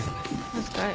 お疲れ。